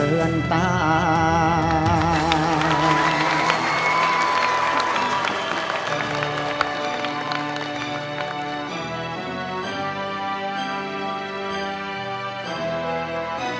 เหลือนป่าน